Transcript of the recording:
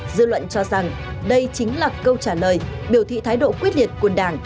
dư luận cho rằng đây chính là câu trả lời biểu thị thái độ quyết liệt của đảng